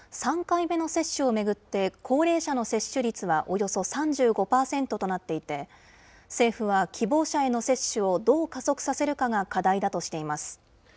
３回目の接種を巡って、高齢者の接種率はおよそ３５％となっていて、政府は希望者への接種をどう加速させるかが課題だとしています。